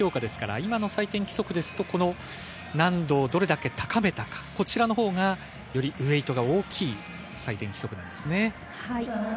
今の採点規則ですと難度をどれだけ高めたか、こちらのほうがよりウエイトが大きい採点規則です。